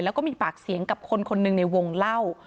แล้วก็มีปากเสียงกับคนคนหนึ่งในวงเล่า